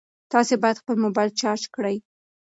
تاسي باید خپل موبایل چارج کړئ.